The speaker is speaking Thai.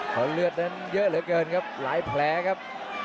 เพราะเลือดนั้นเยอะเหลือเกินครับหลายแผลครับ